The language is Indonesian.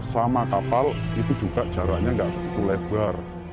sama kapal itu juga jaraknya nggak begitu lebar